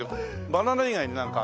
バナナ以外になんかあるの？